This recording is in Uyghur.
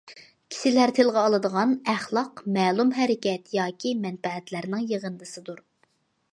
كىشىلەر تىلغا ئالىدىغان ئەخلاق مەلۇم ھەرىكەت ياكى مەنپەئەتلەرنىڭ يىغىندىسىدۇر.